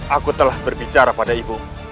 aku telah berbicara pada ibu